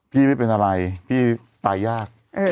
ไม่เป็นอะไรพี่ตายยาก